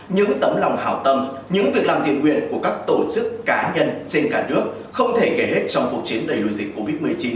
những tấm lòng hảo tâm những việc làm thiện nguyện của các tổ chức cá nhân trên cả nước không thể kể hết trong cuộc chiến đầy lùi dịch covid một mươi chín